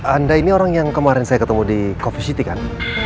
anda ini orang yang kemarin saya ketemu di coffee city kan